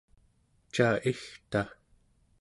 ca igta?